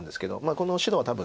この白は多分。